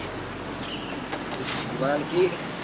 terus gimana lagi